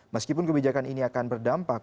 meskipun kebijakan ini akan berdampak